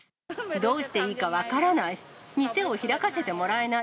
どうしていいか分からない。